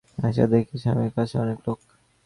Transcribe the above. আসিয়া দেখি, স্বামীজীর কাছে অনেক লোক।